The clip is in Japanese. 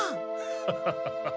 ハハハハ。